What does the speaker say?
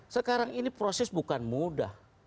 sekarang ini proses bukan mudah